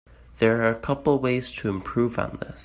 There are a couple ways to improve on this.